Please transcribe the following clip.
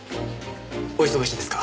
お忙しいですか？